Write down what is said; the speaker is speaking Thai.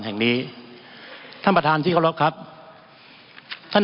มันมีมาต่อเนื่องมีเหตุการณ์ที่ไม่เคยเกิดขึ้น